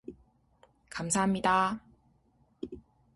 감사합니다.